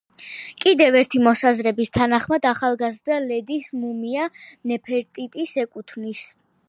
კიდევ ერთი მოსაზრების თანახმად, ახალგაზრდა ლედის მუმია ნეფერტიტის ეკუთვნის.